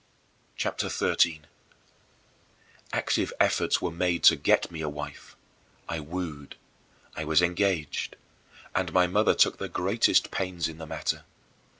CHAPTER XIII 23. Active efforts were made to get me a wife. I wooed; I was engaged; and my mother took the greatest pains in the matter.